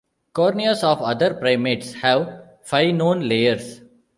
Corneas of other primates have five known layers.